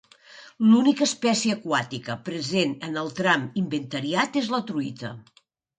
L'única espècie aquàtica present en el tram inventariat és la truita.